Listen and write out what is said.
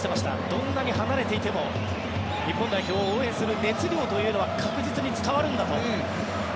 どんなに離れていても日本代表を応援する熱量というのは確実に伝わるんだと。